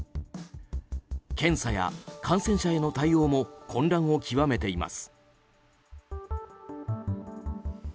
検査や感染者への対応も混乱を極めています。